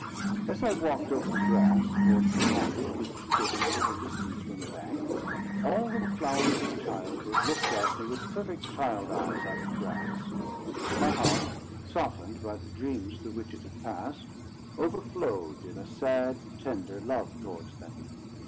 As I walked over the grass towards the cottage, which stood at a little distance from the bank, all the flowers of childhood looked at me with perfect child eyes out of the grass. My heart, softened by the dreams through which it had passed, overflowed in a sad, tender love towards them.